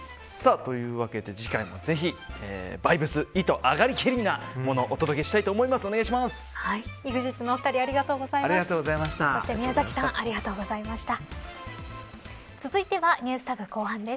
というわけで次回もぜひバイブス、いと上がりけりなものをお届けしたいと思います。